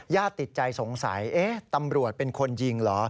ติดใจสงสัยตำรวจเป็นคนยิงเหรอ